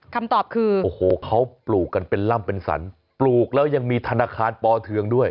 คำตอบคือโอ้โหเขาปลูกกันเป็นล่ำเป็นสรรปลูกแล้วยังมีธนาคารปเทืองด้วย